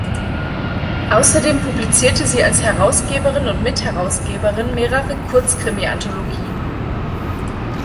Außerdem publizierte sie als Herausgeberin und Mitherausgeberin mehrere Kurzkrimi-Anthologien.